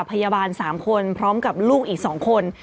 พยาบาล๓คนพร้อมกับลูกอีก๒คน